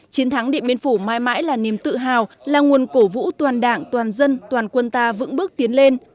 chiến thắng điện biên phủ mãi mãi là niềm tự hào là nguồn cổ vũ toàn đảng toàn dân toàn quân ta vững bước tiến lên